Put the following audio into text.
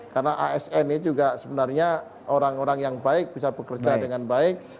karena asn ini juga sebenarnya orang orang yang baik bisa bekerja dengan baik